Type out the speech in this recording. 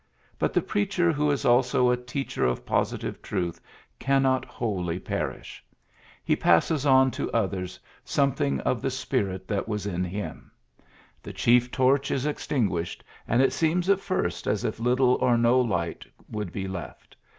But the preacher who is abo a teacher of positive truth cannot wholly perish. He passes on to PHILLIPS BPvOOKS 115 others something of the spirit that was in him. The chief torch is extinguished, and it seems at first as if little or no light would be left.